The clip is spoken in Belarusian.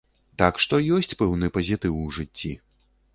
Так што ёсць пэўны пазітыў у жыцці.